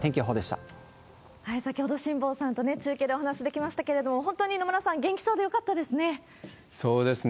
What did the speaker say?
先ほど、辛坊さんと中継でお話しできましたけれども、本当に野村さん、元そうですね。